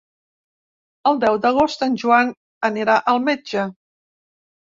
El deu d'agost en Joan anirà al metge.